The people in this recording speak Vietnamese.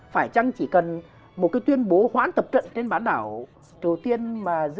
phải chăng chỉ cần một cái tuyên bố khoán tập trận trên bán đảo tổ tiên mà